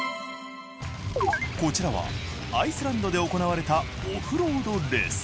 こちらはアイスランドで行われたオフロードレース。